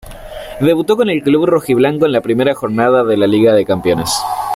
Debutó con el club rojiblanco en la primera jornada de la Liga de Campeones.